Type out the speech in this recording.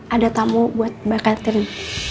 ada tamu buat mbak katherine